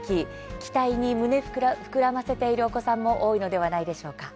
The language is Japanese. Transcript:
期待に胸膨らませているお子さんも多いのではないでしょうか。